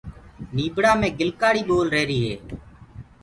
نيبڙآ مينٚ گِلڪآڙي پول رهيريٚ هي۔